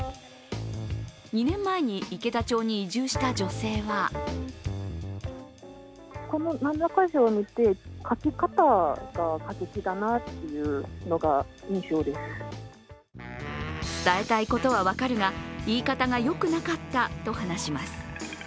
２年前に池田町に移住した女性は伝えたいことは分かるが言い方がよくなかったと話します。